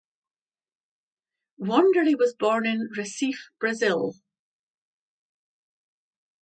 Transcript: Wanderley was born in Recife, Brazil.